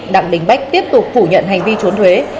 đặng đình bách tiếp tục phủ nhận hành vi trốn thuế